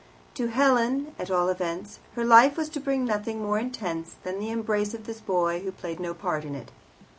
To Helen, at all events, her life was to bring nothing more intense than the embrace of this boy who played no part in it.